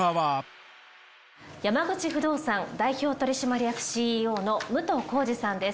山口不動産代表取締役ＣＥＯの武藤浩司さんです。